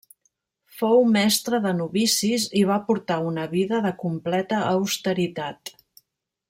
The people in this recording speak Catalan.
Fou mestre de novicis i va portar una vida de completa austeritat.